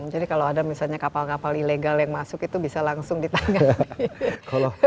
jadi kalau ada kapal kapal ilegal yang masuk itu bisa langsung ditangkap